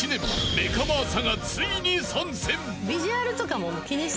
メカ真麻がついに参戦。